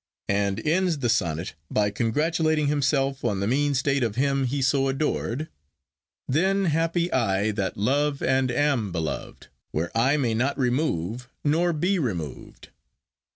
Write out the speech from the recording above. And ends the sonnet by congratulating himself on the mean state of him he so adored. Then happy I, that love and am beloved Where I may not remove nor be removed.